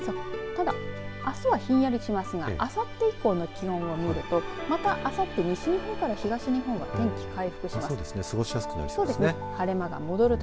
ただ、あすはひんやりしますがあさって以降の気温を見るとまた、あさって西日本から東日本は天気が回復します。